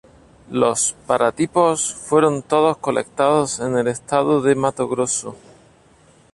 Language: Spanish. Los paratipos fueron todos colectados en el estado de Mato Grosso.